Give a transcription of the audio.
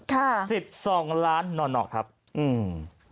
ค่ะนะครับสิบสองล้านนอนครับอืม